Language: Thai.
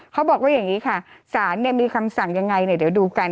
เขาบอกว่าอย่างนี้ค่ะสารมีคำสั่งยังไงเนี่ยเดี๋ยวดูกัน